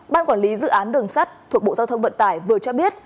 ban quản lý dự án đường sắt thuộc bộ giao thông vận tải vừa cho biết